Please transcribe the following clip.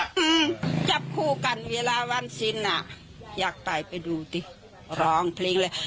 หลีกว่าก็ไหวะเวลาวันเซ็นอยากไปร้องเพลงเลย